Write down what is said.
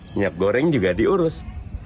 minyak goreng juga diurus